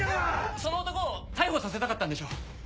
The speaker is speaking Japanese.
その男を逮捕させたかったんでしょう。